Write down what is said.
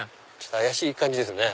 怪しい感じですよね。